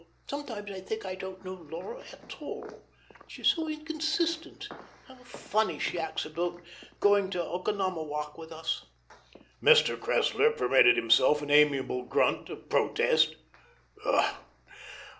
Sometimes I think I don't know Laura at all. She's so inconsistent. How funny she acts about going to Oconomowoc with us!" Mr. Cressler permitted himself an amiable grunt of protest.